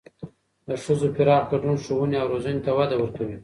د ښځو پراخ ګډون ښوونې او روزنې ته وده ورکوي.